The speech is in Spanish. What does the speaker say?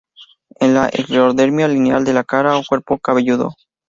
Es la esclerodermia lineal de la cara o cuerpo cabelludo.